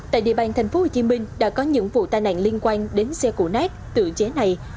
tại địa bàn thành phố hồ chí minh đã có những vụ tai nạn liên quan đến xe củ nát tự chế này